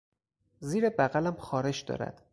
زیر بغلم خارش دارد.